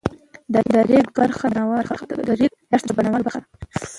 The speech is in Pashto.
د ریګ دښتې د بڼوالۍ برخه ده.